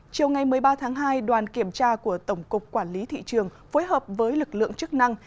chiều ngày một mươi ba tháng hai đoàn kiểm tra của tổng cục quản lý thị trường phối hợp với lực lượng chức năng